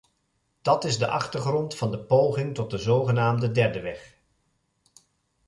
Dat is de achtergrond van de poging tot de zogenaamde derde weg.